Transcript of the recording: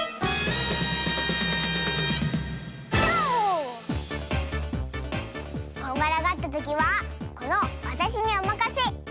とう！こんがらがったときはこのわたしにおまかせ。